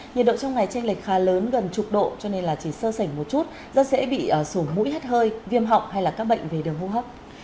nhiệt độ trong ngày tranh lệch khá lớn gần chục độ cho nên là chỉ sơ sảnh một chút rất dễ bị rủ mũi hết hơi viêm họng hay là các bệnh về đường hô hấp